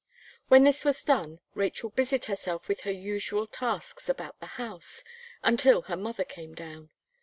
When this was done, Rachel busied herself with her usual tasks about the house, until her mother came down.